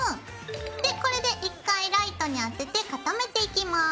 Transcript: でこれで１回ライトに当てて固めていきます。